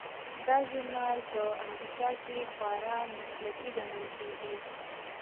دا ژورنال په امریکا کې خورا مسلکي ګڼل کیږي.